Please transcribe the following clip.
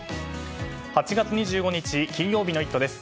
８月２５日、金曜日の「イット！」です。